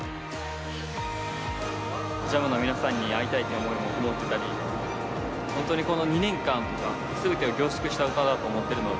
ＪＡＭの皆さんに会いたいって思いもこもってたり本当にこの２年間全てを凝縮した歌だと思ってるので。